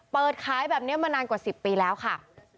เปิดขายแบบนี้มานานกว่า๑๐ปีแล้วค่ะ